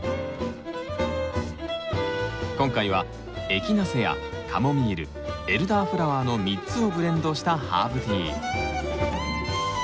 今回はエキナセアカモミールエルダーフラワーの３つをブレンドしたハーブティー。